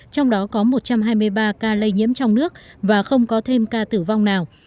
trong đó có một trăm hai mươi ba ca lây nhiễm trong nước và không có thêm ca tử vong nào